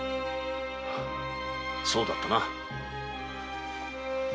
そうだったな。